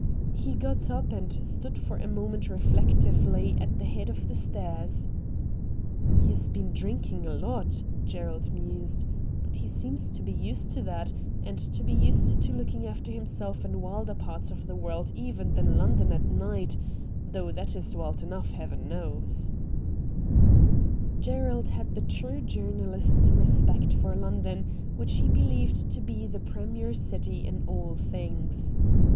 He got up and stood for a moment reflec tively at the head of the stairs. ' He has been drinking a lot,' Gerald mused ;' but he seems to be used to that, and to be used to looking after himself in wilder parts of the world even than London at night — though that is wild enough, heaven knows.' A STRANGE STORY 79 Gerald had the true journalist's respect for London, which he believed to be the premier city in all things.